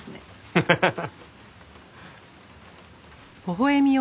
ハハハハ。